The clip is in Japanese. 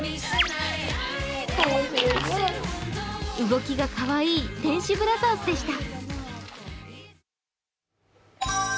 動きがかわいい天使ブラザーズでした。